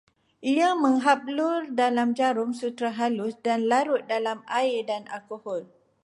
Ia menghablur dalam jarum sutera halus dan larut dalam air dan alkohol